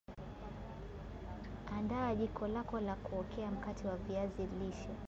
andaa jiko lako la kuokea mkate wa viazi lishe